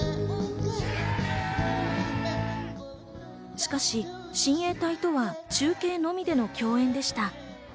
しかし、親衛隊とは中継のみでの共演でした。